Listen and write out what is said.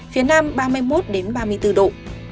phía nam ba mươi một ba mươi bốn độ